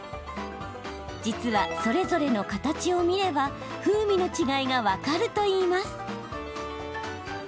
実は、それぞれの形を見れば風味の違いが分かるといいます。